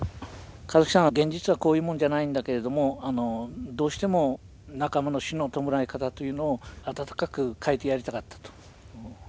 香月さんは現実はこういうものじゃないんだけれどもどうしても仲間の死の弔い方というのを温かく描いてやりたかったと。